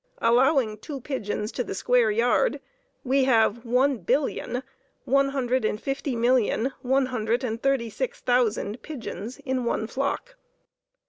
Allowing two pigeons to the square yard, we have one billion, one hundred and fifty millions, one hundred and thirty six thousand pigeons in one flock.